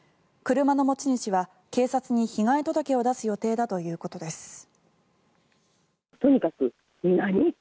車の持ち主は警察に被害届を出す予定だということです。